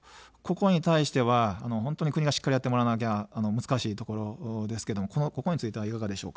ここに対しては国がしっかりやってもらわなきゃ難しいところですけど、ここはいかがですか。